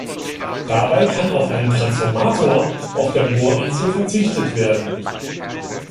Dabei kann auf einen Transformator auf der Bohrinsel verzichtet werden.